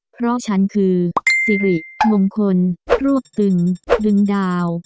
เพราะฉันคือสิริมงคลรวบตึงดึงดาว